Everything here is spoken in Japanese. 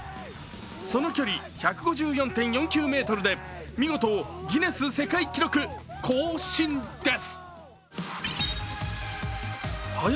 その距離１５４．４９ｍで見事、ギネス世界記録更新です！